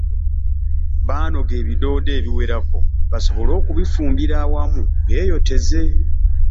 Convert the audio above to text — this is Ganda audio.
Baanoga ebiddoddo ebiwerako basobole okubifumbira wamu beeyoteze.